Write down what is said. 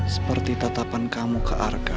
seperti tatapan kamu ke arka